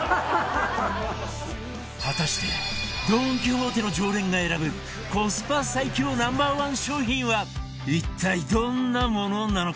果たしてドン・キホーテの常連が選ぶコスパ最強 Ｎｏ．１ 商品は一体どんなものなのか？